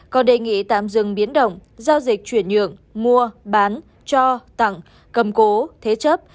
còn đề nghị tạm dừng biến động giao dịch chuyển nhượng mua bán cho tặng cầm cố thế chấp